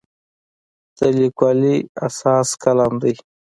د لیکوالي اساس قلم دی.